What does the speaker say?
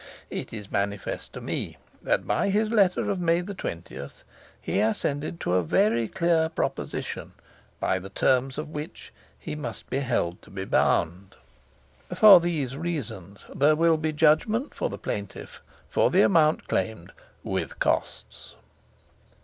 It is manifest to me that by his letter of May 20 he assented to a very clear proposition, by the terms of which he must be held to be bound. "For these reasons there will be judgment for the plaintiff for the amount claimed with costs."